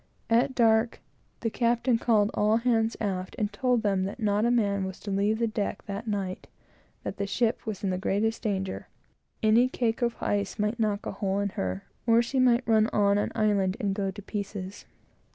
At dark, the captain called all hands aft, and told them that not a man was to leave the deck that night; that the ship was in the greatest danger; any cake of ice might knock a hole in her, or she might run on an island and go to pieces.